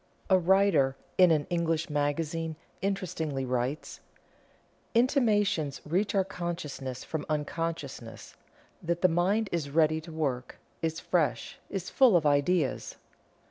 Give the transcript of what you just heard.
A writer in an English magazine interestingly writes: "Intimations reach our consciousness from unconsciousness, that the mind is ready to work, is fresh, is full of ideas."